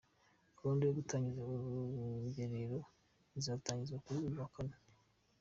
Gahunda yo gutangiza uru rugerero izatangizwa kuri uyu wa Kane.